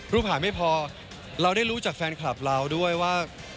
ผ่านไม่พอเราได้รู้จากแฟนคลับเราด้วยว่า